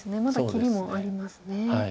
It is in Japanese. まだ切りもありますね。